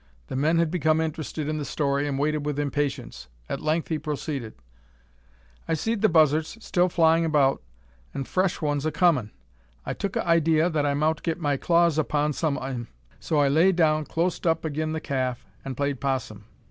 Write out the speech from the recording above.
The men had become interested in the story, and waited with impatience. At length he proceeded "I seed the buzzarts still flyin' about, an' fresh ones a comin'. I tuk a idee that I mout git my claws upon some o' 'em. So I lay down clost up agin the calf, an' played 'possum.